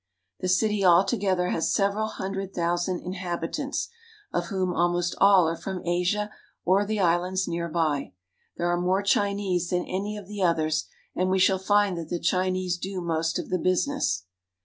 The city all together has several hundred thou sand inhabitants, of whom almost all are from Asia or the islands near by. There are more Chinese than any of the others, and we shall find that the Chinese do most of the business.